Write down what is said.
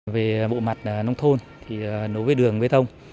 về bộ mặt nông thôn thì đối với đường bê tông